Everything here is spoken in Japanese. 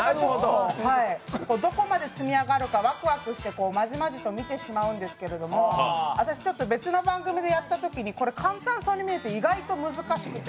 どこまで積み上がるかワクワクしてまじまじと見てしまうんですけど私、ちょっと別の番組でやったときに、これ簡単そうに見えて意外と難しくて。